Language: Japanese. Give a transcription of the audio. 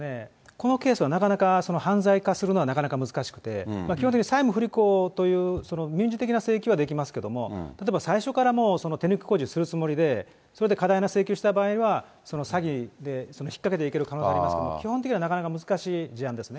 このケースはなかなか犯罪化するのはなかなか難しくて、基本的に債務不履行という、民事的な請求はできますけども、例えば最初からもう、手抜き工事するつもりで、それで過大な請求した場合はその詐欺で引っ掛けていける可能性ありますけれども、基本的にはなかなか難しい事案ですね。